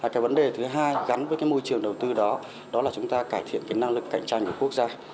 cái vấn đề thứ hai gắn với cái môi trường đầu tư đó đó là chúng ta cải thiện cái năng lực cạnh tranh của quốc gia